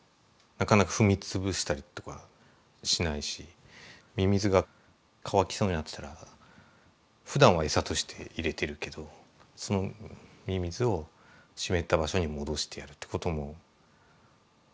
なかなか踏み潰したりとかしないしミミズが乾きそうになってたらふだんは餌として入れてるけどそのミミズを湿った場所に戻してやるってこともこれはこれで自然にやってしまう。